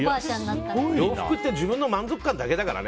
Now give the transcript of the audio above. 洋服って自分の満足感だけだからね。